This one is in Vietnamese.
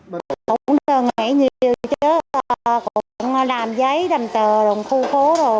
mình cũng đang nghĩ nhiều chứ cũng đàm giấy đàm tờ đồn khu phố rồi